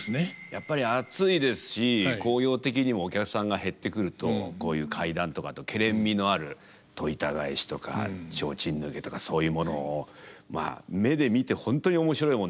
やっぱり暑いですし興行的にもお客さんが減ってくるとこういう怪談とかあとけれんみのある戸板返しとか提灯抜けとかそういうものをまあ目で見て本当に面白いもんでお客さんを呼ぼうっていう。